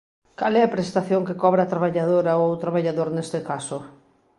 Cal é a prestación que cobra a traballadora ou o traballador nese caso?